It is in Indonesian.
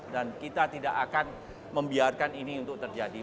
dan kita tidak akan membiarkan ini untuk terjadi